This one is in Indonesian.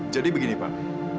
jadi begini pak